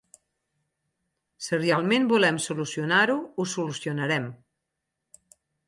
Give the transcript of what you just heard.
Si realment volem solucionar-ho, ho solucionarem.